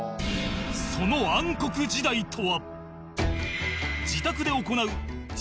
その暗黒時代とは